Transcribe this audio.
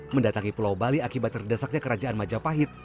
mendatangi pulau bali akibat terdesaknya kerajaan majapahit